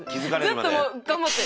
ずっと頑張って。